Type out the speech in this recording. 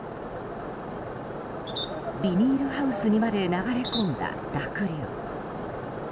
ビニールハウスにまで流れ込んだ濁流。